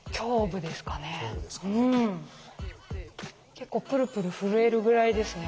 結構プルプル震えるぐらいですね。